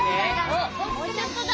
おっもうちょっとだ。